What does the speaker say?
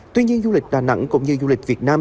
tuy nhiên du lịch đà nẵng cũng như du lịch việt nam